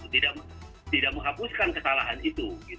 tidak menghapuskan kesalahan itu